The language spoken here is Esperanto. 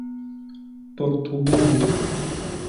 portugale